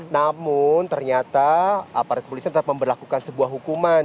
namun ternyata aparat kepolisian tetap memperlakukan sebuah hukuman